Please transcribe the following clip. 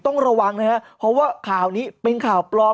ต้องระวังนะครับเพราะว่าข่าวนี้เป็นข่าวปลอม